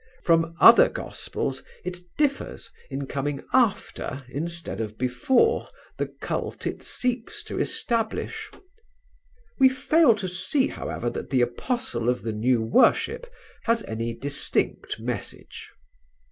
From other gospels it differs in coming after, instead of before, the cult it seeks to establish.... We fail to see, however, that the apostle of the new worship has any distinct message."